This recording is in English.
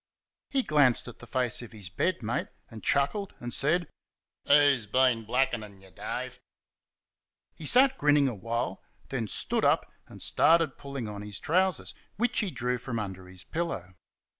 He glanced at the face of his bed mate and chuckled and said: "Who's been blackenin' y', Dave?" He sat grinning awhile, then stood up, and started pulling on his trousers, which he drew from under his pillow.